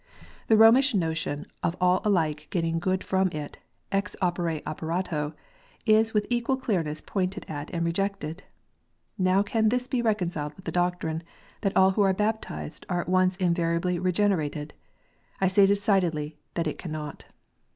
The Romish notion of all alike getting good from it, ex opere operato, is with equal clearness pointed at and rejected. Now can this be reconciled with the doctrine that all who are baptized are at once invariably regenerated ? I say decidedly that it cannot.